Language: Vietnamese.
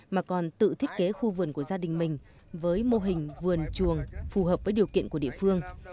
mà còn tự thiết kế khu vườn của gia đình mình với mô hình vườn chuồng phù hợp với điều kiện của địa phương